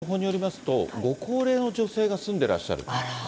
今、情報によりますと、ご高齢の女性が住んでらっしゃる。